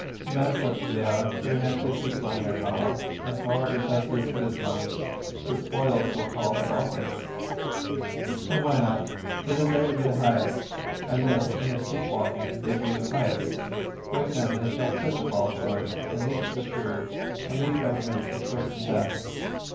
Men such as they are, very naturally seek money or power; and power because it is as good as money, the "spoils," so called, "of office." And why not? for they aspire to the highest, and this, in their sleep walking, they dream is highest. Wake them, and they shall quit the false good, and leap to the true, and leave governments to clerks and desks.